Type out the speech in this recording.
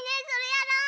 やろう！